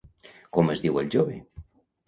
Com es diu el jove?